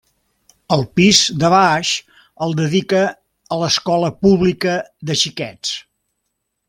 El pis de baix el dedica a l'escola pública de xiquets.